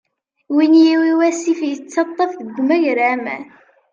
Win yiwwi wasif, ittaṭṭaf deg umagraman.